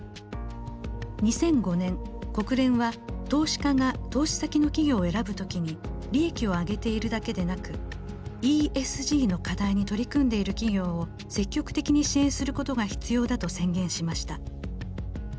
２００５年国連は投資家が投資先の企業を選ぶ時に利益を上げているだけでなくＥＳＧの課題に取り組んでいる企業を積極的に支援することが必要だと宣言しました。